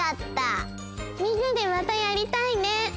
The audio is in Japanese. みんなでまたやりたいね！